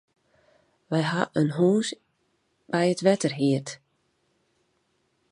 Wy hawwe in hûs by it wetter hierd.